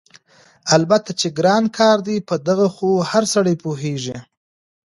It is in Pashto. البته چې ګران کار دی په دغه خو هر سړی پوهېږي،